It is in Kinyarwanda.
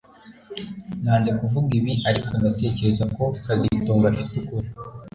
Nanze kuvuga ibi ariko ndatekereza ko kazitunga afite ukuri